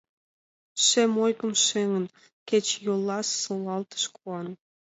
Шем ойгым шеҥын, Кечыйолла солалтыш куан.